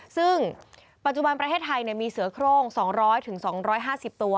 ซึ่งปัจจุบันประเทศไทยมีเสือโครง๒๐๐๒๕๐ตัว